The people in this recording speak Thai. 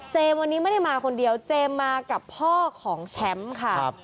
วันนี้ไม่ได้มาคนเดียวเจมส์มากับพ่อของแชมป์ค่ะ